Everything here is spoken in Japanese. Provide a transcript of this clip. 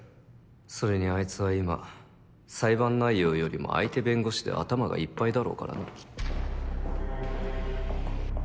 それにアイツは今裁判内容よりも相手弁護士で頭がいっぱいだろうからな。